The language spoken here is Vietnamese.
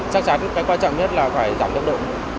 chắc chắn cái quan trọng nhất là phải giảm tốc độ